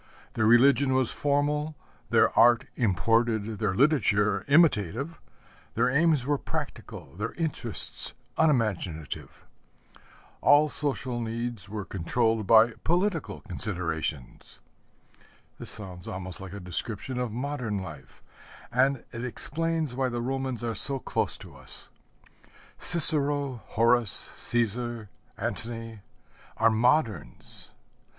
Their religion was formal, their art imported, their literature imitative, their aims were practical, their interests unimaginative. All social needs were controlled by political considerations. This sounds almost like a description of modern life; and it explains why the Romans are so close to us. Cicero, Horace, Cæsar, Antony, are moderns.